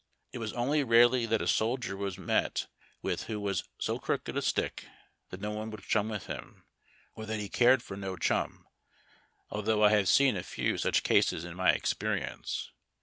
It was only rarely that a soldier was met witii who was so crooked a stick that no one would chum with him, or that he cared for no chum, although I have seen a few such cases in my experience.